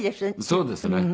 そうですね。